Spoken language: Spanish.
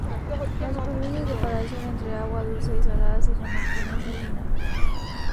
La superficie de separación entre agua dulce y salada se llama cuña salina.